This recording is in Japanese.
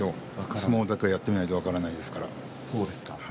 相撲はやってみないと分からないですから。